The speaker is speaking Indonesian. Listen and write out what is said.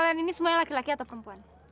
kalian ini semuanya laki laki atau perempuan